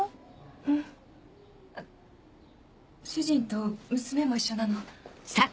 うん主人と娘も一緒なの。